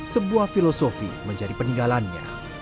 sebuah filosofi menjadi peninggalannya